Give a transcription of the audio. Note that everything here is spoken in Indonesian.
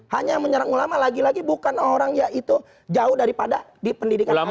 hanya menyerang ulama lagi lagi bukan orang ya itu jauh daripada di pendidikan agama